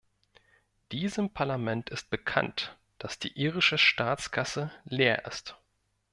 Diesem Parlament ist bekannt, dass die irische Staatskasse leer ist.